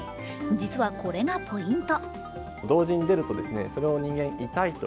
実はこれがポイント。